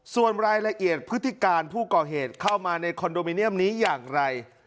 ส่วนรายละเอียดพฤติการผู้ก่อเหตุเข้ามาในคอนโดมิเนียมนี้อย่างไร